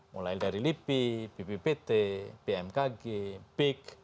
mulai dari lipi bppt bmkg big